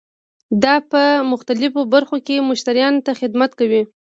دا په مختلفو برخو کې مشتریانو ته خدمت کوي.